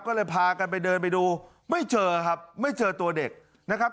ก็เลยพากันไปเดินไปดูไม่เจอครับไม่เจอตัวเด็กนะครับ